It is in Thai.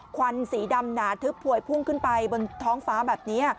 ควันสีดำหนาทึบพวยพุ่งขึ้นไปบนท้องฟ้าแบบนี้